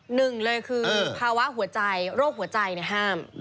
หนึ่งเลยคือภาวะหัวใจโรคหัวใจห้าม